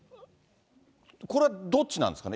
これはどっちなんですかね。